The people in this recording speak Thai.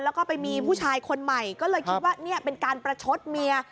แล้วก็ไปมีผู้ชายคนใหม่ก็เลยคิดว่านี่เป็นการประชดเมีย